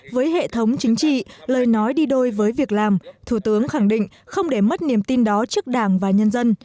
với hệ thống chính trị lời nói đi đôi với việc làm thủ tướng khẳng định không để mất niềm tin đó trước đảng và nhân dân